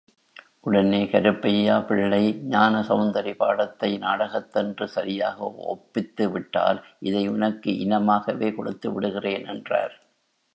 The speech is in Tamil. உடனே கருப்பையாபிள்ளை ஞானசெளந்தரி பாடத்தை நாடகத்தன்று சரியாக ஒப்பித்து விட்டால் இதை உனக்கு இனமாகவே கொடுத்து விடுகிறேன் என்றார்.